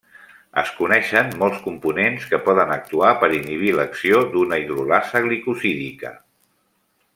Es coneixen molts components que poden actuar per inhibir l'acció d'una hidrolasa glicosídica.